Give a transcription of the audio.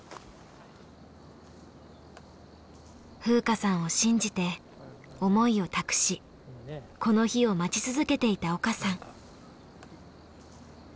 風花さんを信じて思いを託しこの日を待ち続けていた岡さん。